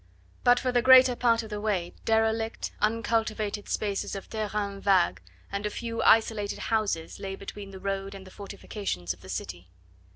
But for the greater part of the way derelict, uncultivated spaces of terrains vagues, and a few isolated houses lay between the road and the fortifications of the city.